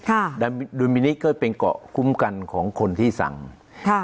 ค่ะดุมินิก็เป็นเกาะคุ้มกันของคนที่สั่งค่ะ